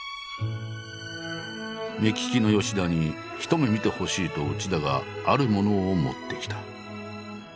目利きの田にひと目見てほしいと内田があるものを持ってきた。